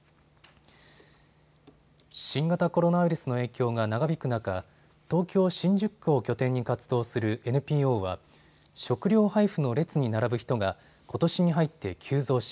新型コロナウイルスの影響が長引く中、東京新宿区を拠点に活動するＮＰＯは食料配布の列に並ぶ人がことしに入って急増し